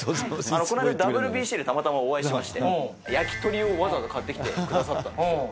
この間、ＷＢＣでたまたまお会いしまして、焼き鳥をわざわざ買ってきてくださったんです。